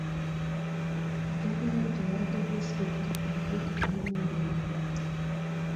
Gavumenti ewadde disitulikiti kompyuta n'ebyuma ebipya.